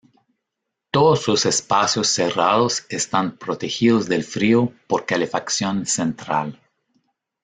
Todos los espacios cerrados están protegidos del frío por calefacción central.